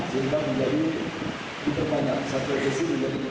dari data saya ziffard lamborghini ditemani